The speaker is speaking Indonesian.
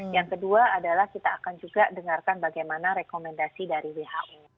yang kedua adalah kita akan juga dengarkan bagaimana rekomendasi dari who